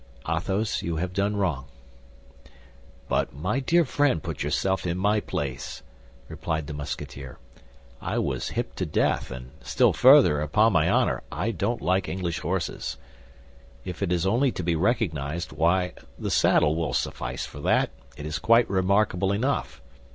Athos, you have done wrong." "But, my dear friend, put yourself in my place," replied the Musketeer. "I was hipped to death; and still further, upon my honor, I don't like English horses. If it is only to be recognized, why the saddle will suffice for that; it is quite remarkable enough.